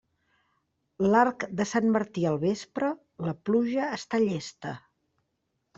L'arc de Sant Martí al vespre, la pluja està llesta.